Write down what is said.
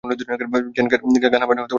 Gen, গান বাজানো বন্ধ করতে পারবে?